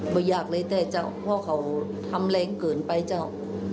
ไม่อยากเลยแต่เจ้าพ่อเขาทำแรงเกินไปเจ้า